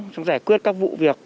trong giải quyết các vụ việc